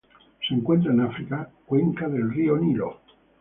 Se encuentran en África: cuenca del río Nilo.